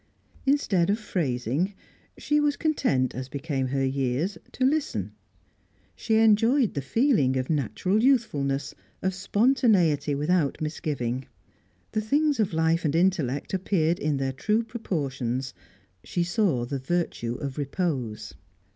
Instead of phrasing, she was content, as became her years, to listen; she enjoyed the feeling of natural youthfulness, of spontaneity without misgiving. The things of life and intellect appeared in their true proportions; she saw the virtue of repose.